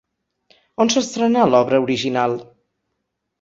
On s'estrenà l'obra original?